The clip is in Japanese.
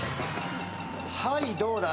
はいどうだ？